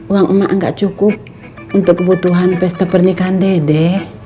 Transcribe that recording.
uang emak nggak cukup untuk kebutuhan pesta pernikahan dede